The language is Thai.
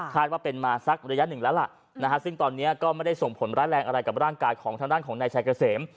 ว่าเป็นมาสักระยะหนึ่งแล้วล่ะซึ่งตอนนี้ก็ไม่ได้ส่งผลร้ายแรงอะไรกับร่างกายของทางด้านของนายชายเกษม